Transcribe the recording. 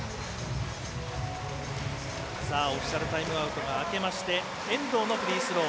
オフィシャルタイムアウトあけて遠藤のフリースロー。